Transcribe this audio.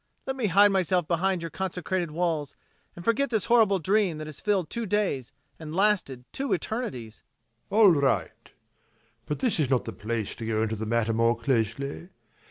Let me hide myself behind your consecrated walls and forget this horrible dream that has filled two days and lasted two eternities. ABBÉ. All right! But this is not the place to go into the matter more closely.